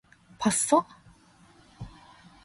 봤어?